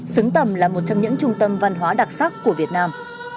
xứng tầm là một trong những trung tâm văn hóa đặc sắc của việt nam